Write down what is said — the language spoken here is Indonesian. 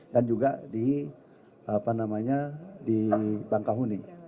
dan juga di apa namanya di bangkahuni